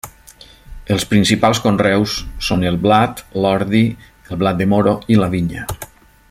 Els principals conreus són el blat, l'ordi, el blat de moro i la vinya.